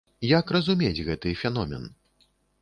Як разумець гэты феномен?